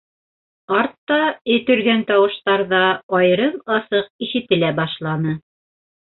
Артта эт өргән тауыштар ҙа айырым-асыҡ ишетелә башланы.